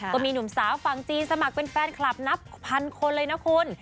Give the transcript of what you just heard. ก็มีหนุ่มสาวฝั่งจีนสมัครเป็นแฟนคลับนับพันคนเลยนะคุณ